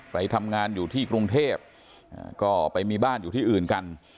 ไปทำงานอยู่ที่กรุงเทพก็ไปมีบ้านอยู่ที่อื่นกัน